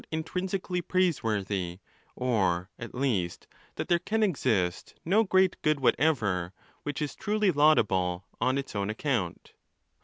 intrinsically praiseworthy, or at least that there can exist no great good whatever which is truly laudable on its own account.